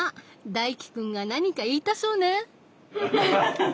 大義くんが何か言いたそうね。